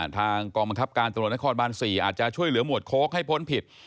ทางกองบังคับการตรวจนครบาน๔อาจจะช่วยเหลือหมวดโค้กให้พ้นผิด